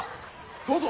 どうぞ。